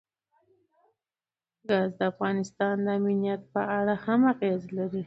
ګاز د افغانستان د امنیت په اړه هم اغېز لري.